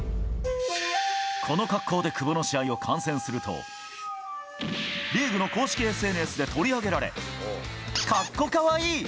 この格好で久保の試合を観戦するとリーグの公式ＳＮＳで取り上げられカッコ可愛い！